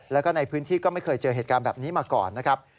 แล้วก็ในพื้นที่ก็ไม่เคยเจอเหตุการณ์แบบนี้มาก่อนนะครับ